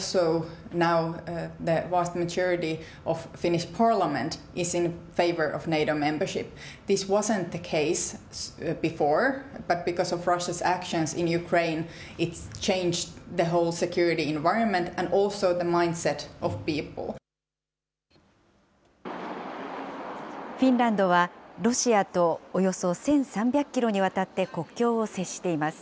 フィンランドは、ロシアとおよそ１３００キロにわたって国境を接しています。